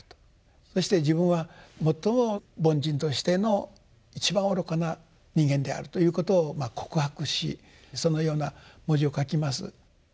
そして自分は最も凡人としての一番愚かな人間であるということを告白しそのような文字を書きます。